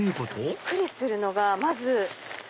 びっくりするのがまず。